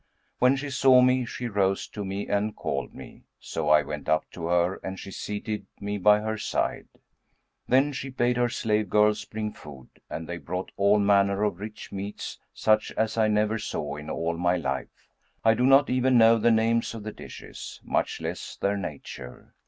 When she saw me she rose to me and called me; so I went up to her and she seated me by her side. Then she bade her slave girls bring food, and they brought all manner of rich meats, such as I never saw in all my life; I do not even know the names of the dishes, much less their nature.